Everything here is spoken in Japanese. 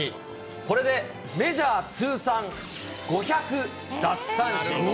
これでメジャー通算５００奪三振。